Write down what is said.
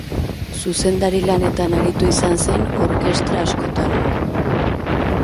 Zuzendari-lanetan aritu izan zen orkestra askotan.